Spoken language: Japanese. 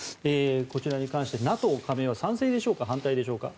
こちらに関してＮＡＴＯ加盟は賛成でしょうか反対でしょうか。